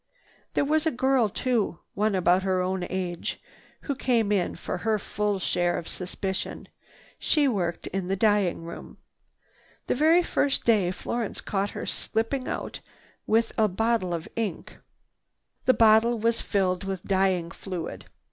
There was a girl too, one about her own age, who came in for her full share of suspicion. She worked in the dyeing room. The very first day Florence caught her slipping out with an ink bottle. The bottle was filled with dyeing fluid.